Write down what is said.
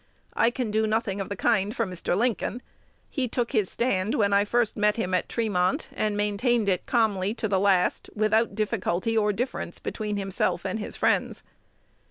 I can do nothing of the kind for Mr. Lincoln. He took his stand when I first met him at Tremont, and maintained it calmly to the last, without difficulty or difference between himself and his friends.